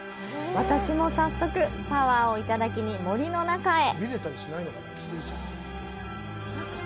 私も早速、パワーをいただきに森の中へ！